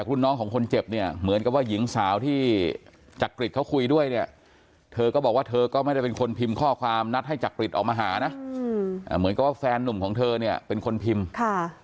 รุ่นน้องของคนเจ็บเนี่ยเหมือนกับว่าหญิงสาวที่จักริตเขาคุยด้วยเนี่ยเธอก็บอกว่าเธอก็ไม่ได้เป็นคนพิมพ์ข้อความนัดให้จักริตออกมาหานะเหมือนกับว่าแฟนนุ่มของเธอเนี่ยเป็นคนพิมพ์ค่ะ